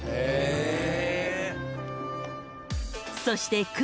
［そして］